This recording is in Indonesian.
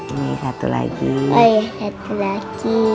ini satu lagi